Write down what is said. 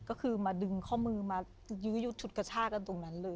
ก็คือมาดึงข้อมือมายื้อยุดฉุดกระชากันตรงนั้นเลย